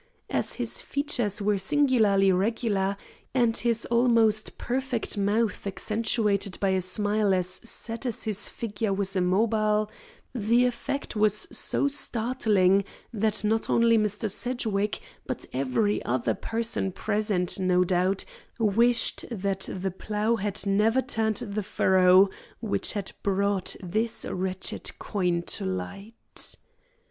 As his features were singularly regular and his almost perfect mouth accentuated by a smile as set as his figure was immobile, the effect was so startling that not only Mr. Sedgwick, but every other person present, no doubt, wished that the plough had never turned the furrow which had brought this wretched coin to light.